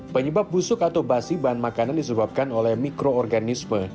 penyebab busuk atau basi bahan makanan disebabkan oleh mikroorganisme